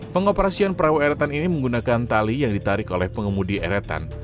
pengoperasian perahu eretan ini menggunakan tali yang ditarik oleh pengemudi eretan